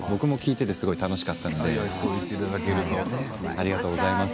ありがとうございます。